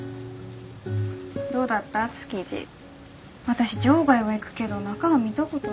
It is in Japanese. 私場外は行くけど中は見たことない。